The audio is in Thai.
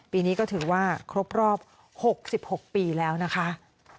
ปีนี้ก็ถือว่าครบรอบ๖๖ปีแล้วนะคะ